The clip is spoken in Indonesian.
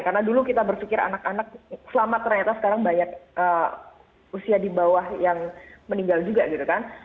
karena dulu kita berpikir anak anak selamat ternyata sekarang banyak usia di bawah yang meninggal juga gitu kan